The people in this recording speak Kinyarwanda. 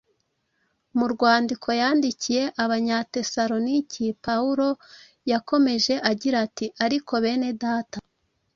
Mu rwandiko yandikiye Abanyatesalonike Pawulo yakomeje agira ati :” Ariko bene Data,